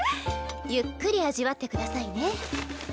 ゆっくり味わってくださいね。